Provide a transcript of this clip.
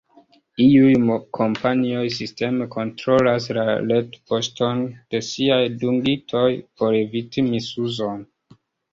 Iuj kompanioj sisteme kontrolas la retpoŝton de siaj dungitoj por eviti misuzon.